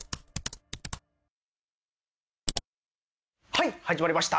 はい始まりました！